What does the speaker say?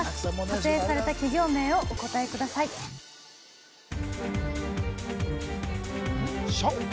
撮影された企業名をお答えください・社屋？